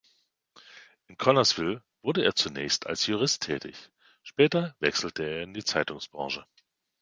In Connersville wurde er zunächst als Jurist tätig; später wechselte er in die Zeitungsbranche.